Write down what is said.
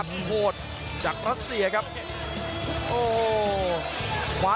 โอ้โหโอ้โหโอ้โห